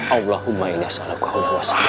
allahumma indah salam